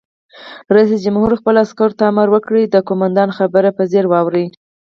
رئیس جمهور خپلو عسکرو ته امر وکړ؛ د قومندان خبره په ځیر واورئ!